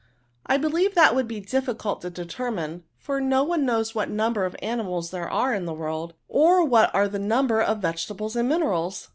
'*" I believe that would be diffictdt to de termine ; for no one knows what number of animals there are in the world, or what are the number of vegetables and minerals.